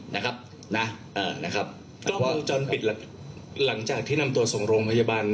นะครับนะเอ่อนะครับกล้องวงจรปิดหลังจากที่นำตัวส่งโรงพยาบาล